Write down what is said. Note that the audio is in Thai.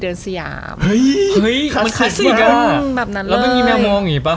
เฮ้ยมันคลาสสิกอ่ะแล้วมันมีแมวมองอีกป่ะ